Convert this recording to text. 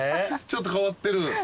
ちょっと変わってる？